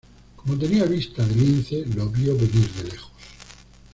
Como tenía vista de lince, lo vio venir de lejos